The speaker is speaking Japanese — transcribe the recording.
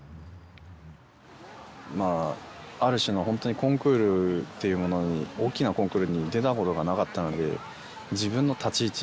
まぁある種のホントにコンクールっていうものに大きなコンクールに出たことがなかったので自分の立ち位置